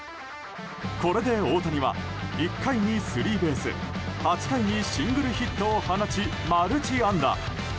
これで大谷は１回にスリーベース８回にシングルヒットを放ちマルチ安打。